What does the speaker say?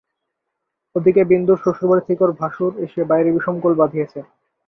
ওদিকে বিন্দুর শ্বশুড়বাড়ি থেকে ওর ভাসুর এসে বাইরে বিষম গোল বাধিয়েছে।